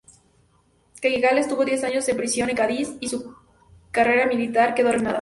Cagigal estuvo diez años en prisión en Cádiz y su carrera militar quedó arruinada.